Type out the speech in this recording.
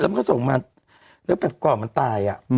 แล้วแบบก่อนมันตาย